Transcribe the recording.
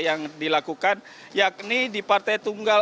yang dilakukan yakni di partai tunggal